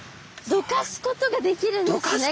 どかすことができるんですね